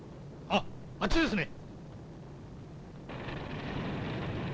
あっあっちですね。